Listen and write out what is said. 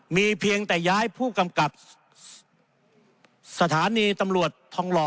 มีเพียงแต่ย้ายผู้กำกับสถานีตำรวจทองหล่อ